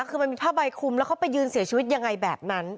คือมันมีผ้าใบคุมแล้วเขาไปยืนเสียชีวิตยังไงแบบนั้น